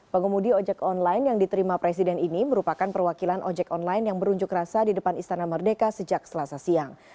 pengemudi ojek online yang diterima presiden ini merupakan perwakilan ojek online yang berunjuk rasa di depan istana merdeka sejak selasa siang